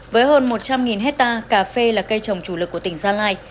với hơn một trăm linh hectare cà phê là cây trồng chủ lực của tỉnh gia lai